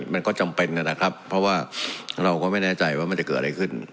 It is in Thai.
มันก็จำเป็นนะครับเพราะว่าเราก็ไม่แน่ใจว่ามันจะเกิดอะไรขึ้น